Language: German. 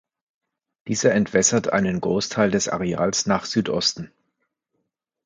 Dieser entwässert einen Großteil des Areals nach Südosten.